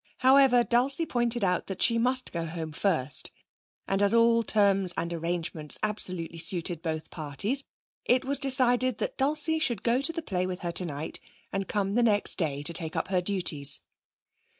However, Dulcie pointed out that she must go home first, and as all terms and arrangements absolutely suited both parties, it was decided that Dulcie should go to the play with her tonight and come the next day to take up her duties.